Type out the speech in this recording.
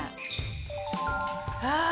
ああ。